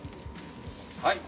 はい。